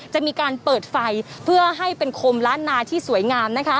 จะมีการเปิดไฟเพื่อให้เป็นคมล้านนาที่สวยงาม